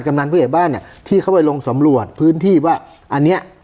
ำนันผู้ใหญ่บ้านเนี่ยที่เขาไปลงสำรวจพื้นที่ว่าอันเนี้ย